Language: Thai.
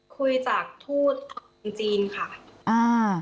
คุยจากทูตจากเมืองจีนค่ะ